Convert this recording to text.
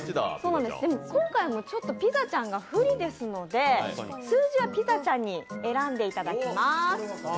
今回もちょっとピザちゃんが不利ですので数字はピザちゃんに選んでいただきます。